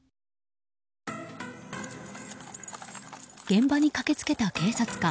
現場に駆け付けた警察官。